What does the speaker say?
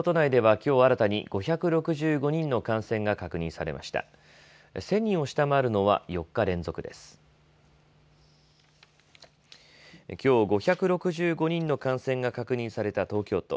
きょう、５６５人の感染が確認された東京都。